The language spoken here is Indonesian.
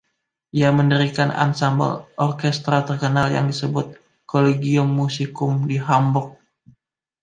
Ia mendirikan ansambel orkestra terkenal, yang disebut "Collegium Musicum" di Hamburg.